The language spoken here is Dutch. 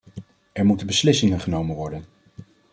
Er moeten beslissingen genomen worden.